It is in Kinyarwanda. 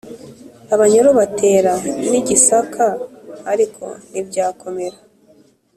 abanyoro batera n'i gisaka, ariko ntibyakomera;